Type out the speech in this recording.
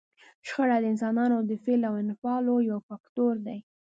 شخړه د انسانانو د فعل او انفعال یو فکتور دی.